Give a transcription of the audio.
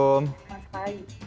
selamat pagi waalaikumsalam